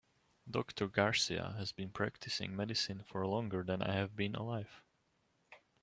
Doctor Garcia has been practicing medicine for longer than I have been alive.